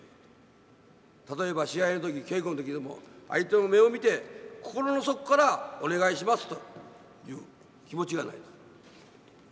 例えば試合の時稽古の時でも相手の目を見て心の底からお願いしますという気持ちがないと。